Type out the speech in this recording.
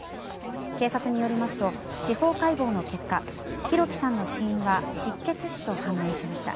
警察によりますと司法解剖の結果弘輝さんの死因は失血死と判明しました。